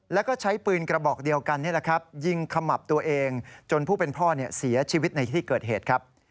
แล้วก็ใช้ปืนกระบอกเดียวกันนี่แหละครับยิงขมับตัวเองจนผู้เป็นพ่อเสียชีวิตในที่เกิดเหตุครับ